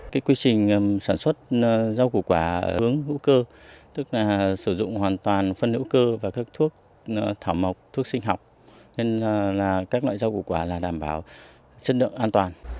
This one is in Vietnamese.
cái quy trình sản xuất rau củ quả hướng hữu cơ tức là sử dụng hoàn toàn phân hữu cơ và các thuốc thảo mộc thuốc sinh học nên là các loại rau củ quả là đảm bảo chất lượng an toàn